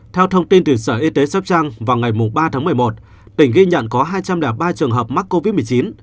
theo thông tin từ sở y tế sắp trăng vào ngày ba tháng một mươi một tỉnh ghi nhận có hai trăm linh ba trường hợp mắc covid một mươi chín